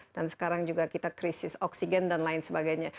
dan sekarang juga kita krisis oksigen dan lain sebagainya